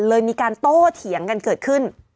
เลยมีการโต้เถียงกันเกิดขึ้น